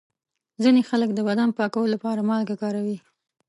ځینې خلک د بدن پاکولو لپاره مالګه کاروي.